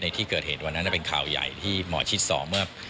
ที่เกิดเหตุวันนั้นเป็นข่าวใหญ่ที่หมอชิดสอบเมื่อ